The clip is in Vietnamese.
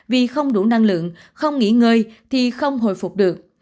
vì không đủ năng lượng không nghỉ ngơi thì không hồi phục được